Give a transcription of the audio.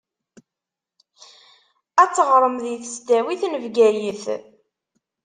Ad teɣṛem di tesdawit n Bgayet.